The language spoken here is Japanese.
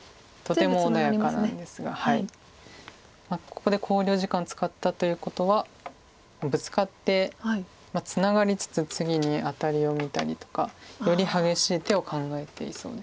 ここで考慮時間使ったということはブツカってツナがりつつ次にアタリを見たりとかより激しい手を考えていそうです。